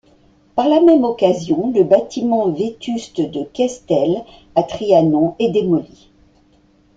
Par la même occasion, le bâtiment vétuste de Questel, à Trianon, est démoli.